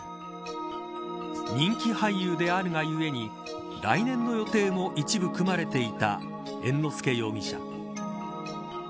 人気俳優であるがゆえに来年の予定も一部組まれていた猿之助容疑者。